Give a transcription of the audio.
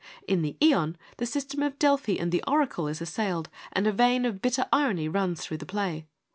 In the Ion the system of Delphi and the oracle is assailed, and a vein of bitter irony runs through the play.